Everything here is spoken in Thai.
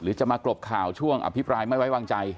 จะมากรบข่าวช่วงอภิปรายไม่ไว้วางใจ